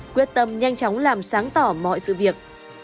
quyết tâm nhanh chóng làm sáng tỏ mọi sự việc